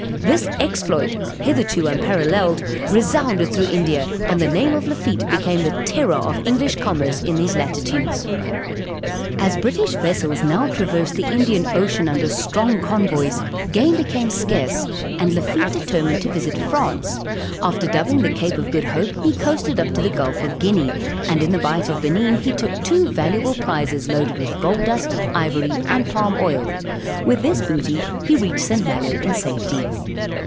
This exploit, hitherto unparalleled, resounded through India, and the name of Lafitte became the terror of English commerce in these latitudes. [Illustration: Lafitte boarding the Queen East Indiaman.] As British vessels now traversed the Indian Ocean under strong convoys, game became scarce, and Lafitte determined to visit France; and after doubling the Cape of Good Hope, he coasted up to the Gulf of Guinea, and in the Bight of Benin, took two valuable prizes loaded with gold dust, ivory, and Palm Oil; with this booty he reached St. Maloes in safety.